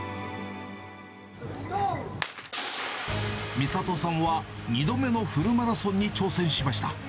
美里さんは、２度目のフルマラソンに挑戦しました。